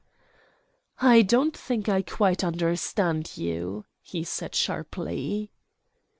"I don't think I quite understand you," he said sharply.